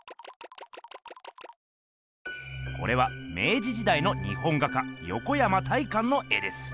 これは明治時代の日本画家横山大観の絵です。